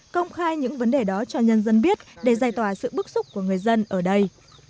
công khai những vấn đề đó cho nhân dân biết để giải tỏa sự bức xúc của người dân ở đây